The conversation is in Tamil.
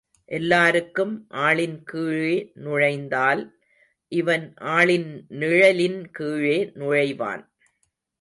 எல்லாருக்கும் ஆளின் கீழே நுழைந்தால், இவன் ஆளின் நிழலின் கீழே நுழைவான்.